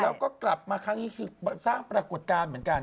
แล้วก็กลับมาครั้งนี้คือสร้างปรากฏการณ์เหมือนกัน